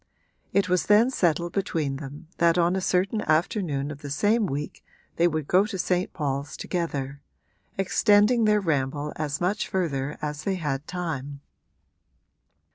It was then settled between them that on a certain afternoon of the same week they would go to St. Paul's together, extending their ramble as much further as they had time.